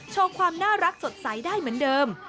ความน่ารักสดใสได้เหมือนเดิม